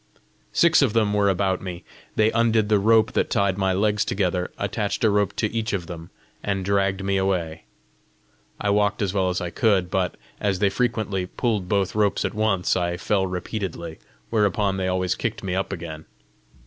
Six of them were about me. They undid the rope that tied my legs together, attached a rope to each of them, and dragged me away. I walked as well as I could, but, as they frequently pulled both ropes at once, I fell repeatedly, whereupon they always kicked me up again.